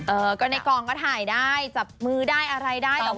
เออก็ในกล่องก็ถ่ายได้จับมือได้อะไรได้